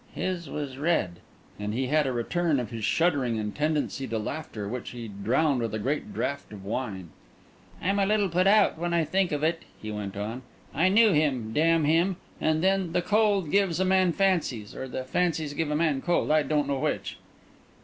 "His was red." And he had a return of his shuddering and tendency to laughter, which he drowned with a great draught of wine. "I'm a little put out when I think of it," he went on. "I knew him—damn him! And then the cold gives a man fancies—or the fancies give a man cold, I don't know which."